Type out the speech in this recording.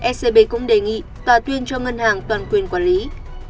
scb cũng đề nghị tòa tuyên cho ngân hàng toàn quyền quản lý